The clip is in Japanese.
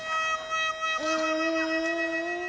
うん。